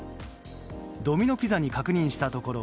ドミノ・ピザに確認したところ